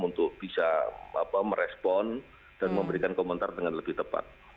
untuk bisa merespon dan memberikan komentar dengan lebih tepat